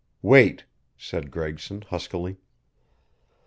"Wait," said Gregson, huskily.